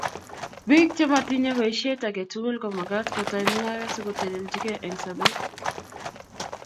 Bik chematinye baishet age tugul komagat kotoi mung'aret sikoteleljikei eng sobet